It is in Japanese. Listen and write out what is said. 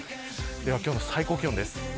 では今日の最高気温です。